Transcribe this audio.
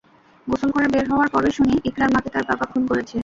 গোসল করে বের হওয়ার পরই শুনি ইকরার মাকে তার বাবা খুন করেছে।